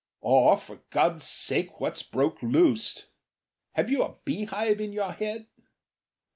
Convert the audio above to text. Or for God's sake, what's broke loose? Have you a bee hive in your head?